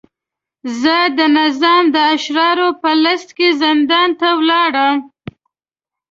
زه د نظام د اشرارو په لست کې زندان ته ولاړم.